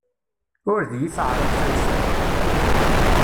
Ur d iyi-teɛṛiq tansa-m.